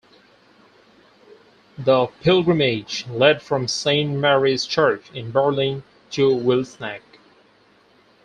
The pilgrimage led from Saint Mary's Church in Berlin to Wilsnack.